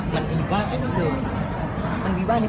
มันวีวาเยอะเลย